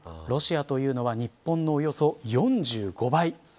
ロシアというのは日本のおよそ４５倍。